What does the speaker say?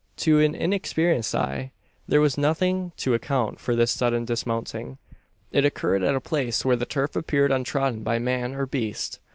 To an inexperienced eye there was nothing to account for this sudden dismounting. It occurred at a place where the turf appeared untrodden by man, or beast.